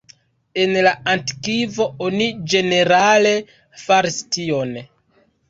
En la antikvo oni ĝenerale faris tion.